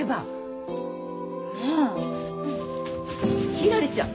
ひらりちゃん！